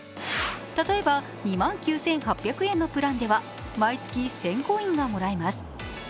例えば２万９８００円のプランでは毎月１０００コインがもらえます。